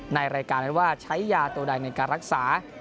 ในรายการนั้นว่าใช้ยาตัวใดในการรักษา